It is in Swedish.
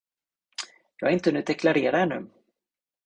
Jag har inte hunnit deklarera ännu.